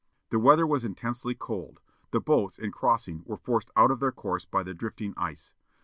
The weather was intensely cold. The boats, in crossing, were forced out of their course by the drifting ice.